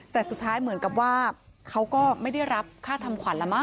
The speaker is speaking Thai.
แต่สุดท้ายเหมือนกับว่าเขาก็ไม่ได้รับค่าทำขวัญละมั